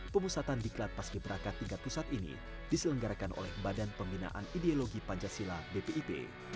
pemusatan di klat paskiberaka tingkat pusat ini diselenggarakan oleh badan pembinaan ideologi pancasila bpip